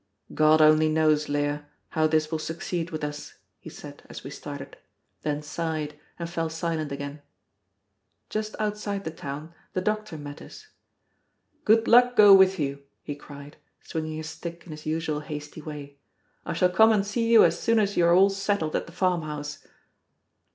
"God only knows, Leah, how this will succeed with us," he said, as we started; then sighed, and fell silent again. Just outside the town the doctor met us. "Good luck go with you!" he cried, swinging his stick in his usual hasty way; "I shall come and see you as soon as you are all settled at the farmhouse."